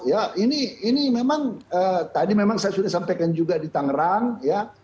ya ini memang tadi memang saya sudah sampaikan juga di tangerang ya